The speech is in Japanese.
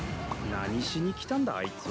何しに来たんだあいつは。